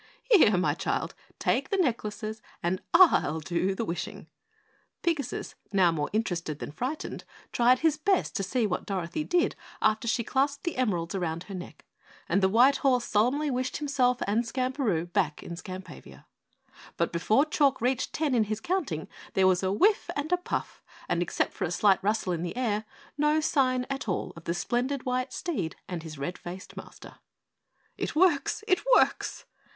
Here, my child, take the necklaces and I'll do the wishing." Pigasus, now more interested than frightened, tried his best to see what Dorothy did after she clasped the emeralds around her neck and the white horse solemnly wished himself and Skamperoo back in Skampavia, but before Chalk reached ten in his counting, there was a whiff and puff and except for a slight rustle in the air, no sign at all of the splendid white steed and his red faced Master. "It works! It works!"